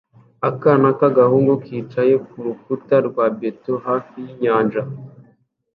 Akana k'agahungu kicaye ku rukuta rwa beto hafi y'inyanja